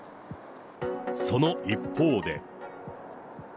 その一方で。